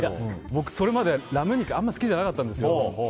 僕それまでラム肉、あまり好きじゃなかったんですけど。